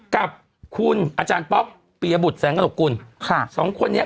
กับคุณอาจารย์ป๊อกปียบุตรแสงกระหนกกุลค่ะสองคนนี้